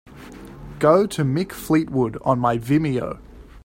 Go to Mick Fleetwood on my Vimeo